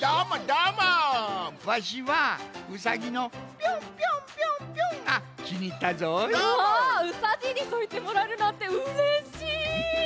うわあうさじいにそういってもらえるなんてうれしい！